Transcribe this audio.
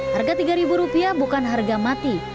harga tiga rupiah bukan harga mati